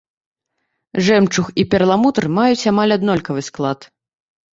Жэмчуг і перламутр маюць амаль аднолькавы склад.